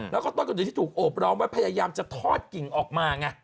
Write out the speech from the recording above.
แล้วก็ต้นกระดือที่ถูกโอบร้อมไว้พยายามจะทอดกิ่งออกมาไง